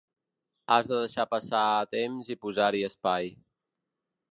Has de deixar passar temps i posar-hi espai.